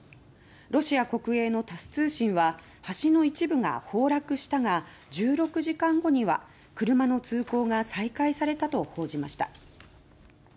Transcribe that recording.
ロシア国営のタス通信は橋の一部が崩落したが１６時間後には、車の通行が再開されたと報じました。